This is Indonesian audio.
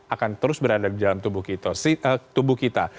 akan terus berada di dalam tubuh kita